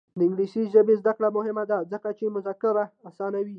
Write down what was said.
د انګلیسي ژبې زده کړه مهمه ده ځکه چې مذاکره اسانوي.